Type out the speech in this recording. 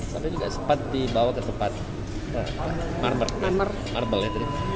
tapi juga sempat dibawa ke tempat marbelnya